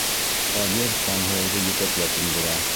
Ҡадир Таңһылыуҙы етәкләп индерә.